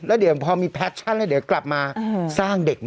แล้วเดี๋ยวพอมีแพชชั่นแล้วเดี๋ยวกลับมาสร้างเด็ก